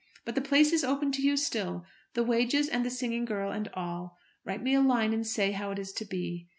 But the place is open to you still, the wages, and the singing girl, and all. Write me a line, and say how it is to be.